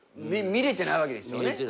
見れてないわけですよね。